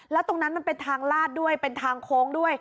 แล้วตรงนั้นมันเป็นทางลาดด้วยเป็นทางโค้งด้วย